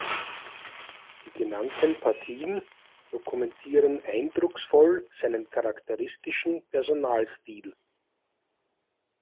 Die genannten Partien dokumentieren eindrucksvoll seinen charakteristischen Personalstil.